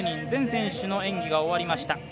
全選手の演技が終わりました。